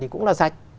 thì cũng là sạch